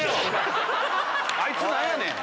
あいつ何やねん！